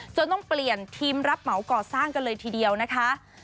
ต้องเปลี่ยนทีมรับเหมาก่อสร้างกันเลยทีเดียวนะคะ